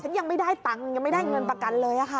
ยังไม่ได้ตังค์ยังไม่ได้เงินประกันเลยค่ะ